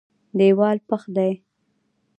دېوال پخ دی.